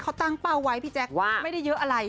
เขาตั้งเป้าไว้พี่แจ๊คว่าไม่ได้เยอะอะไร